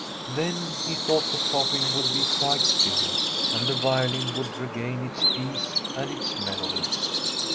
Then he thought the coffin would be quite still, and the violin would regain its peace and its melodies.